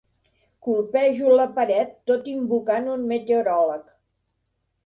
Colpejo la paret tot invocant un meteoròleg.